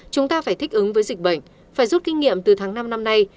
chúng ta phải thích ứng với dịch bệnh phải rút kinh nghiệm từ tháng năm năm nay